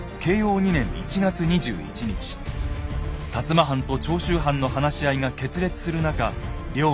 摩藩と長州藩の話し合いが決裂する中龍馬が登場。